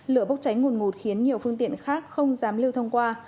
lửa bốc cháy nguồn ngụt khiến nhiều phương tiện khác không dám lưu thông qua